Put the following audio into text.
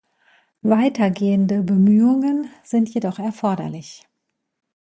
Weitergehende Bemühungen sind jedoch erforderlich.